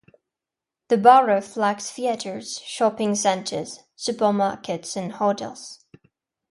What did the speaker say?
The borough lacks theaters, shopping centers, supermarkets and hotels.